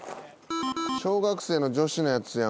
小学生の女子のやつやん